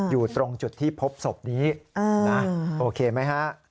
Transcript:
อยู่ตรงจุดที่พบศพนี้นะโอเคไหมฮะ